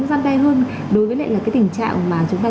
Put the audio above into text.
răn be hơn đối với lại là cái tình trạng mà chúng ta